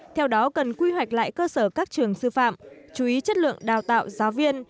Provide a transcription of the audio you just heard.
theo đó cần quy hoạch lại cơ sở các trường sư phạm chú ý chất lượng đào tạo giáo viên